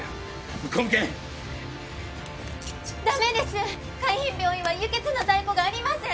向こう向けダメです海浜病院は輸血の在庫がありません